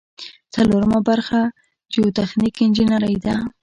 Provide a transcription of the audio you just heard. څلورمه برخه جیوتخنیک انجنیری ده.